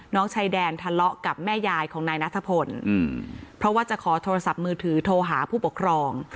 น้องชายแดนทะเลาะกับแม่ยายของนายนัทพลเพราะว่าจะขอโทรศัพท์มือถือโทรหาผู้ปกครอง